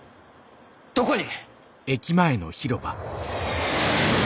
どこに！？